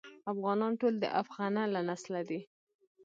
افغانان ټول د افغنه له نسله دي.